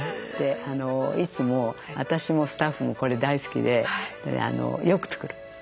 いつも私もスタッフもこれ大好きでよく作る。